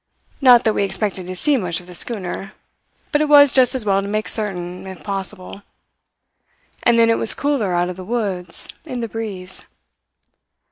Not that we expected to see much of the schooner, but it was just as well to make certain, if possible; and then it was cooler out of the woods, in the breeze.